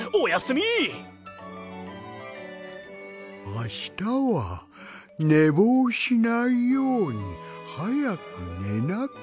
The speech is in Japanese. あしたはねぼうしないようにはやくねなきゃ。